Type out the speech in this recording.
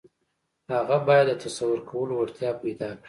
هغه بايد د تصور کولو وړتيا پيدا کړي.